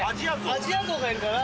アジアゾウがいるから。